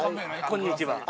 ◆こんにちは。